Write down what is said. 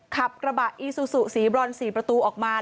ขับกระบะอีซูซูสีบรอน๔ประตูออกมา